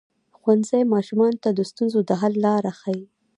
ښوونځی ماشومانو ته د ستونزو د حل لاره ښيي.